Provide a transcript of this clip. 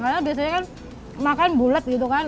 karena biasanya kan makan bulet gitu kan